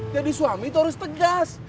jadi suami itu harus tegas